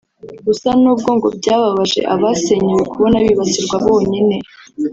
Gusa n’ubwo ngo byababaje abasenyewe kubona bibasirwa bonyine